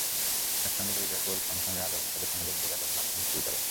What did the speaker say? একইসঙ্গে লুইজের গোল সঙ্গে সঙ্গে আলোড়ন তোলে সামাজিক যোগাযোগের মাধ্যম টুইটারেও।